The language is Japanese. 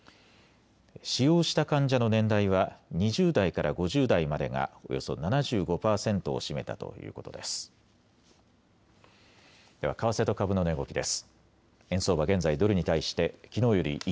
使用した患者の年代は２０代から５０代までがおよそ７５％を占めたということです。